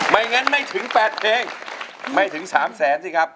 ไม่งั้นไม่ถึง๘เพลงไม่ถึง๓แสนสิครับ